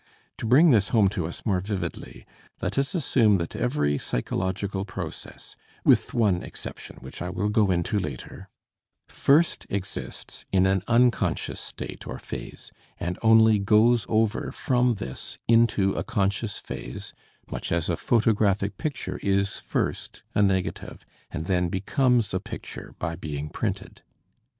To bring this home to us more vividly, let us assume that every psychological process with one exception, which I will go into later first exists in an unconscious state or phase and only goes over from this into a conscious phase, much as a photographic picture is first a negative and then becomes a picture by being printed.